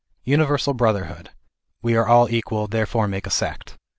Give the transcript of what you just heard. Universal brotherhood, " we are all equal, therefore make a sect."